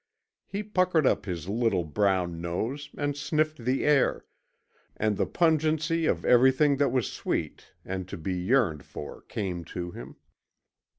He puckered up his little brown nose and sniffed the air, and the pungency of everything that was sweet and to be yearned for came to him.